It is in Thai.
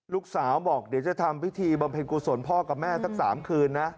ลูกสาวบอกเดี๋ยวจะทำพิธีบำเพ็ญกุศลพ่อกับแม่สัก๓คืนนะ